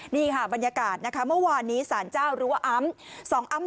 นี่ค่ะบรรยากาศนะคะเมื่อวานนี้สารเจ้าหรือว่าอ้ำ